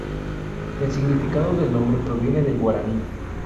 El significado del nombre proviene del guaraní.